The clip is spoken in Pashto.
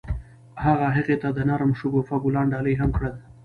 هغه هغې ته د نرم شګوفه ګلان ډالۍ هم کړل.